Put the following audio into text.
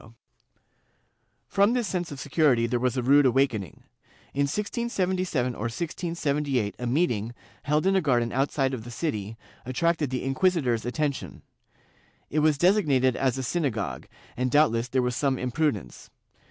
"^ From this sense of security there was a rude awakening. In 1677 or 1678 a meeting, held in a garden outside of the city, attracted the inquisitor's attention. It was designated as a syna gogue, and doubtless there was some imprudence.